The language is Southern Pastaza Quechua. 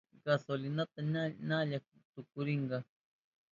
Gasolinaka ñalla tukurinka.